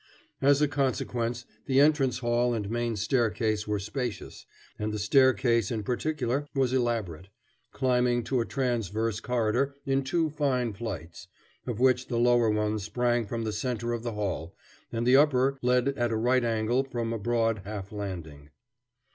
As a consequence, the entrance hall and main staircase were spacious, and the staircase in particular was elaborate, climbing to a transverse corridor in two fine flights, of which the lower one sprang from the center of the hall and the upper led at a right angle from a broad half landing.